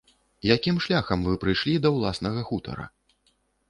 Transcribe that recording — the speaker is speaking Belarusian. Якім шляхам вы прыйшлі да ўласнага хутара?